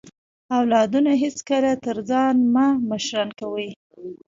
اولادونه هیڅکله تر ځان مه مشران کوئ